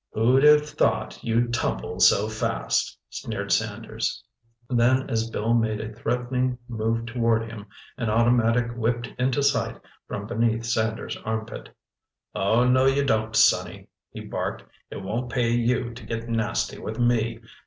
"Who'd have thought you'd tumble so fast?" sneered Sanders. Then as Bill made a threatening move toward him, an automatic whipped into sight from beneath Sanders' armpit. "Oh, no you don't, sonny!" he barked. "It won't pay you to get nasty with me.